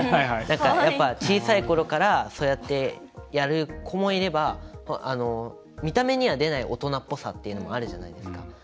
やっぱ、小さいころからそうやってやる子もいれば見た目には出ない大人っぽさっていうのもあるじゃないですか。